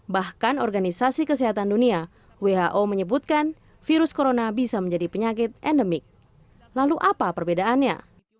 bahkan organisasi kesehatan dunia who menyebutkan virus corona bisa menjadi penyakit endemik lalu apa perbedaannya